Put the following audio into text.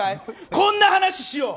こんな話しよう！